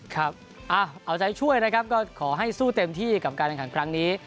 ครับเอาใจช่วยนะครับก็ขอให้สู้เต็มที่กับการแข่งขันครั้งนี้